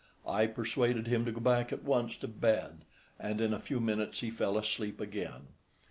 I persuaded him to go back at once to bed, and in a few minutes he fell asleep again.